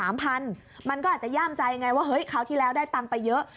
มันก็อาจจะย่ามใจไงว่าเฮ้ยคราวที่แล้วได้ตังค์ไปเยอะ